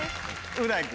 う大君。